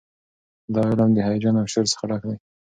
دا علم د هیجان او شور څخه ډک دی.